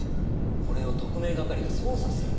これを特命係が捜査するんですか？